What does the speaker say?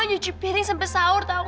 gue nyuci piring sampai sahur tau gak sih